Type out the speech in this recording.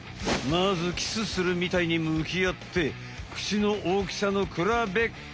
まずキスするみたいにむきあって口の大きさのくらべっこ！